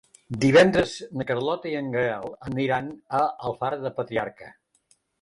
Divendres na Carlota i en Gaël aniran a Alfara del Patriarca.